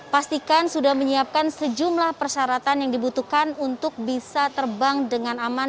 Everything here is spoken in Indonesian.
pastikan sudah menyiapkan sejumlah persyaratan yang dibutuhkan untuk bisa terbang dengan aman